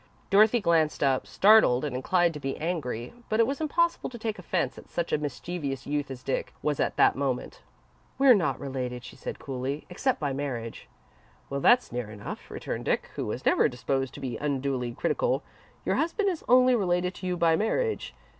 Dorothy glanced up, startled, and inclined to be angry, but it was impossible to take offence at such a mischievous youth as Dick was at that moment. "We're not related," she said, coolly, "except by marriage." "Well, that's near enough," returned Dick, who was never disposed to be unduly critical. "Your husband is only related to you by marriage.